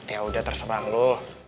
ya udah tersebang lo